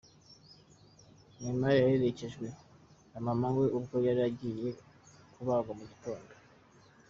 Neymar yaherekejwe na Mama we ubwo yari agiye kubagwa mu gitondo.